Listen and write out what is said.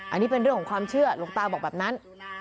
อันนี้เป็นเรื่องของความเชื่อหลวงตาบอกแบบนั้น